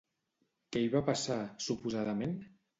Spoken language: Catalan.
Què hi va passar, suposadament?